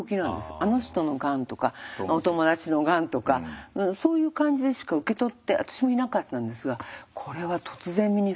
あの人のがんとかお友達のがんとかそういう感じでしか受け取って私もいなかったんですがこれは突然身に降りかかります。